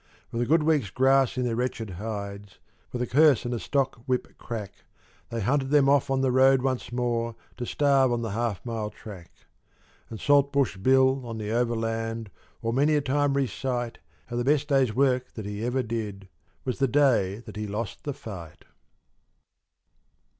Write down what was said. With a week's good grass in their wretched hides, with a curse and a stockwhip crack They hunted them off on the road once more to starve on the half mile track. And Saltbush Bill, on the Overland, will many a time recite How the best day's work that ever he did was the day that he lost the fight.